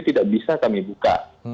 tidak bisa kami buka